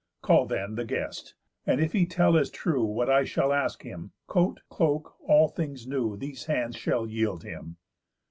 Call, then, the guest, and if he tell as true What I shall ask him, coat, cloak, all things new, These hands shall yield him."